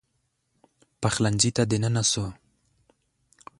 پخلنځي ته دننه سو